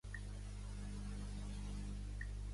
En arribar a Virginia, va ser assignat a la brigada de Drayton.